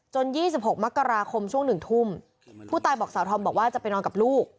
๒๖มกราคมช่วงหนึ่งทุ่มผู้ตายบอกสาวธอมบอกว่าจะไปนอนกับลูก